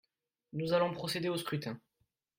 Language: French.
Nous allons procéder au scrutin.